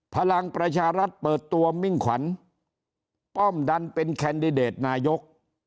พลังประชารัฐเปิดตัวมิ่งขวัญป้อมดันเป็นแคนดิเดตนายก